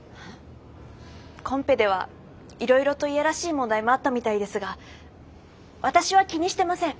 コンペではいろいろと嫌らしい問題もあったみたいですが私は気にしてません。